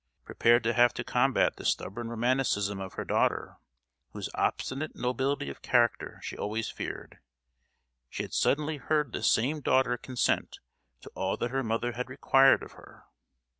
Prepared to have to combat the stubborn romanticism of her daughter—whose obstinate nobility of character she always feared,—she had suddenly heard this same daughter consent to all that her mother had required of her.